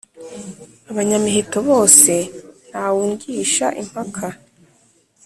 abanyamiheto bose ntawe ungisha impaka